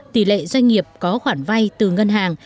tỷ lệ doanh nghiệp có khoản vay từ ngân hàng